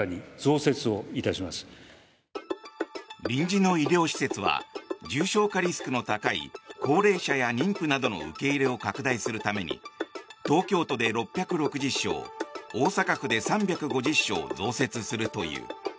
臨時の医療施設は重症化リスクの高い高齢者や妊婦などの受け入れを拡大するために東京都で６６０床大阪府で３５０床増設するという。